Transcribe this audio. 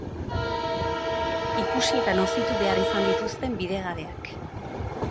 Ikusi eta nozitu behar izan dituzten bidegabeak.